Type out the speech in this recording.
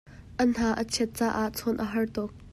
A hna a chet caah chawnh a har tuk.